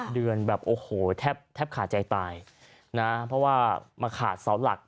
เดือนแบบโอ้โหแทบขาดใจตายนะเพราะว่ามาขาดเสาหลัก